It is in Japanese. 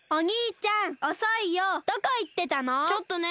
ちょっとね。